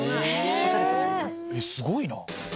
すごいな！